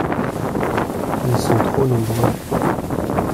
Ils sont trop nombreux.